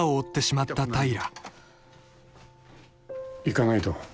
行かないと。